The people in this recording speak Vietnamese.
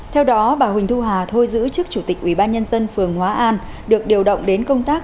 theo đó bà huỳnh thu hà thôi giữ chức chủ tịch ubnd phường hóa an được điều động đến công tác